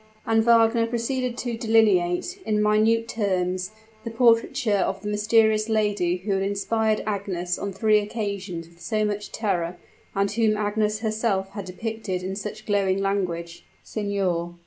And Wagner proceeded to delineate, in minute terms, the portraiture of the mysterious lady who had inspired Agnes on three occasions with so much terror, and whom Agnes herself had depicted in such glowing language. "Signor!